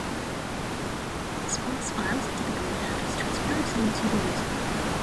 Sparse files are typically handled transparently to the user.